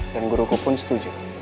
dan guruku pun setuju